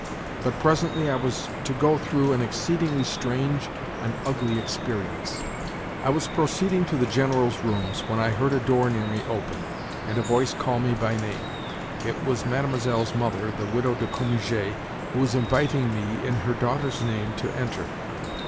But presently I was to go through an exceedingly strange and ugly experience. I was proceeding to the General's rooms when I heard a door near me open, and a voice call me by name. It was Mlle.'s mother, the Widow de Cominges who was inviting me, in her daughter's name, to enter.